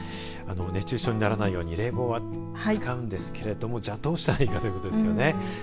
熱中症にならないように冷房は使うんですがどうしたらいいかということですよね。